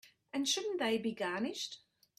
And shouldn't they be garnished?